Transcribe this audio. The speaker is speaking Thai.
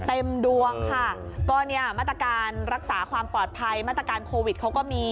เต็มดวงค่ะก็เนี่ยมาตรการรักษาความปลอดภัยมาตรการโควิดเขาก็มี